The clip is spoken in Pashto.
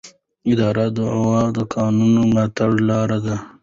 اداري دعوه د قانوني ملاتړ لاره ده.